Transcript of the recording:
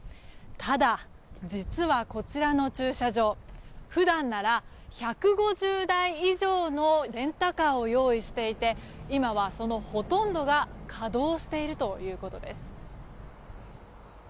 ただ、実はこちらの駐車場普段なら１５０台以上のレンタカーを用意していて今は、そのほとんどが稼働しているということです。